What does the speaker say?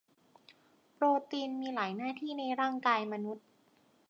โปรตีนมีหลายหน้าที่ในร่ายกายมนุษย์